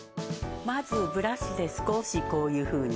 まずブラシで少しこういうふうに取ってください。